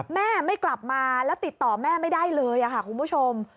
แม่ไม่กลับมาแล้วติดต่อแม่ไม่ได้เลยค่ะคุณผู้ชม